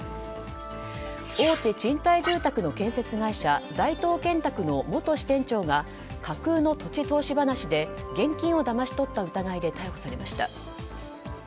大手賃貸住宅の建設会社大東建託の元支店長が架空の土地投資話で現金をだまし取った疑いで逮捕されました。